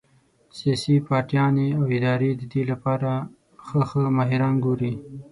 سياسي پارټيانې او ادارې د دې د پاره ښۀ ښۀ ماهران ګوري